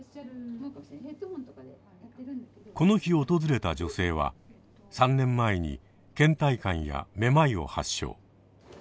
この日訪れた女性は３年前にけん怠感やめまいを発症。